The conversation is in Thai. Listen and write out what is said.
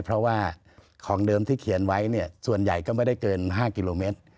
เพราะว่าของเดิมที่เขียนไว้เนี่ยส่วนใหญ่ก็ไม่ได้เกิน๕กิโลเมตร